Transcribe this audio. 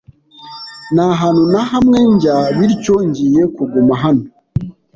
Nta hantu na hamwe njya, bityo ngiye kuguma hano.